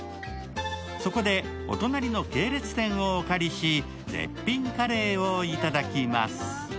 そこでお隣の系列店をお借りして絶品カレーを頂きます。